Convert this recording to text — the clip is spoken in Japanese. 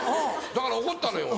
だから怒ったのよ